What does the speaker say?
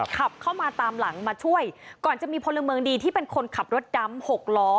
ขับเข้ามาตามหลังมาช่วยก่อนจะมีพลเมืองดีที่เป็นคนขับรถดำ๖ล้อ